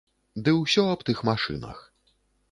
Ды ўсё аб тых машынах.